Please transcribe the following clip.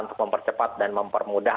untuk mempercepat dan mempermudah